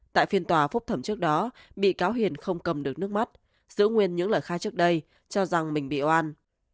tại phiên tòa phúc thẩm trước đó bị cáo hiền không cầm được nước mắt giữ nguyên những lời khai trước đây cho rằng mình bị oan